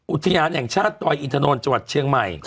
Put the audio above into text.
อุทยานแห่งชาติตรอยอินทรนจังหวัดเชียงใหม่๖๔๐๔คน